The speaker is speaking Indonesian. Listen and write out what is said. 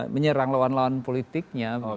menyerang lawan lawan politiknya